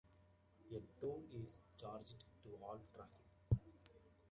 A toll is charged to all traffic.